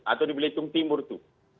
atau di belitung timur tuh